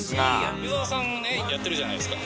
梅澤さんがやってるじゃないですか。